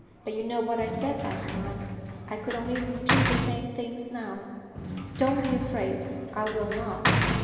But you know what I said last night; I could only repeat the same things now. Don't be afraid; I will not.'